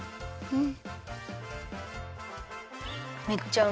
うん！